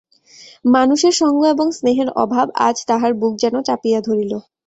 মানুষের সঙ্গ এবং স্নেহের অভাব আজ তাহার বুক যেন চাপিয়া ধরিল।